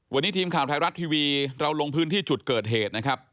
วันนี้ทีมข่าวไทยรัฐทีวีเราลงพื้นที่จุดเกิดเหตุนะครับ